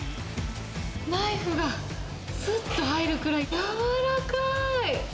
ナイフがすっと入るくらい、軟らかい。